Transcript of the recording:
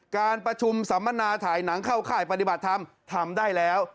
การประชุมสัมมนาถ่ายหนังเข้าค่ายปฏิบัติธรรมทำได้แล้ว